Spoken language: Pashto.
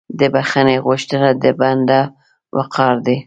د بخښنې غوښتنه د بنده وقار دی.